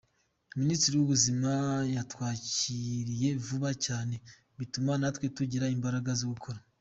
Minisiteri y’ubuzima yatwakiriye vuba cyane bituma natwe tugira imbaraga zo gukora”.